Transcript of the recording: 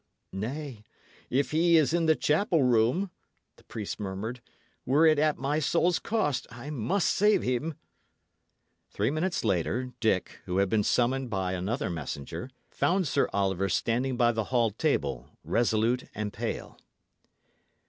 "Nay, if he is in the chapel room," the priest murmured, "were it at my soul's cost, I must save him." Three minutes later, Dick, who had been summoned by another messenger, found Sir Oliver standing by the hall table, resolute and pale.